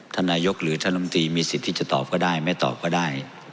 ท่านนายกหรือท่านลำตีมีสิทธิ์ที่จะตอบก็ได้ไม่ตอบก็ได้